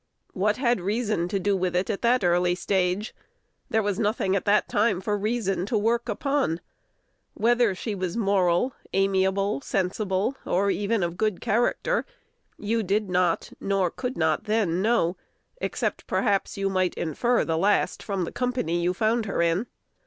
What had reason to do with it at that early stage? There was nothing at that time for reason to work upon. Whether she was moral, amiable, sensible, or even of good character, you did not, nor could then know, except, perhaps, you might infer the last from the company you found her in.